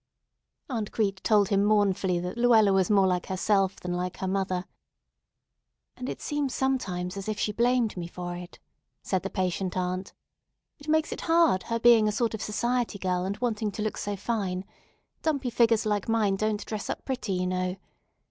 Aunt Crete told him mournfully that Luella was more like herself than like her mother. "And it seems sometimes as if she blamed me for it," said the patient aunt. "It makes it hard, her being a sort of society girl, and wanting to look so fine. Dumpy figures like mine don't dress up pretty, you know.